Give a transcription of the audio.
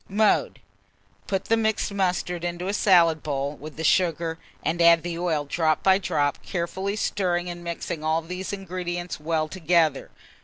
Mode. Put the mixed mustard into a salad bowl with the sugar, and add the oil drop by drop, carefully stirring and mixing all these ingredients well together.